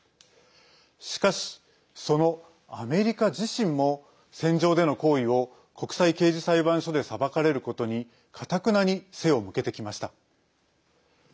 しかし、そのアメリカ自身も戦場での行為を国際刑事裁判所で裁かれることにかたくなに背を向けてきました。